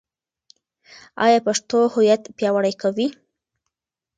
ایا پښتو هویت پیاوړی کوي؟